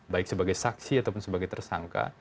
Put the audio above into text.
baik sebagai saksi ataupun sebagai tersangka